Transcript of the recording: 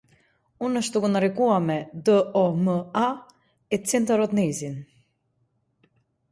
Она што го нарекуваме д о м а, е центарот нејзин.